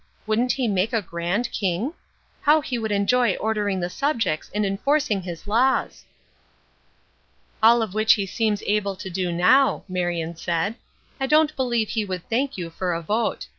Wouldn't he make a grand king? How he would enjoy ordering the subjects and enforcing his laws!" "All of which he seems able to do now," Marion said. "I don't believe he would thank you for a vote.